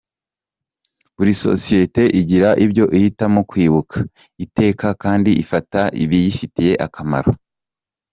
Buri sosiyete igira ibyo ihitamo kwibuka, iteka kandi ifata ibiyifitiye akamaro.